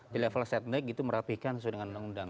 di level set make itu merapihkan sesuai dengan undang undang